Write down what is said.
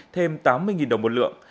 thêm tám mươi đồng mỗi lượng